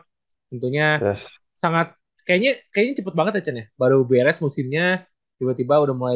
tentunya sangat kayaknya kayaknya cepet banget ya chan ya baru beres musimnya tiba tiba udah mulai